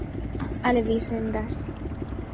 Alle wissen das.